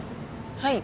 はい。